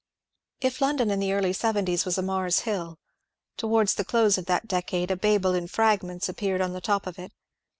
If London in the early seventies was a Mars Hill, towards the dose of that decade a Babel in fragments appeared on the top of it.